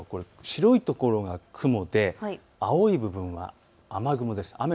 白い所が雲で青い部分は雨雲です。